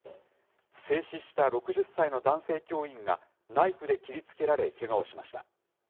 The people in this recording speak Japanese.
制止した６０歳の男性教員がナイフで切りつけられ、けがをしました。